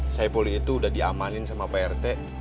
saya poli itu udah diamanin sama prt